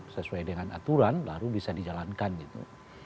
sesuai dengan aturan baru bisa dijalankan gitu